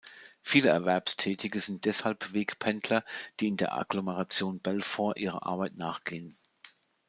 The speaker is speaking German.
Viele Erwerbstätige sind deshalb Wegpendler, die in der Agglomeration Belfort ihrer Arbeit nachgehen.